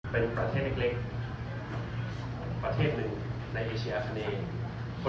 เป็นประเทศเล็กประเทศหนึ่งในเอเชีย